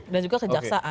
dan juga kejaksaan